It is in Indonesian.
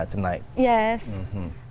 saya ingin mengingatkan kepada anda